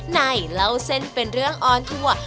เล่าเส้นเป็นเรื่องออนทัวร์